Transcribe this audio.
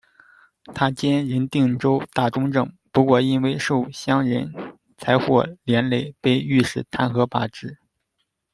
他兼人定州大中正，不过因为受乡人财货连累，被御史弹劾罢职。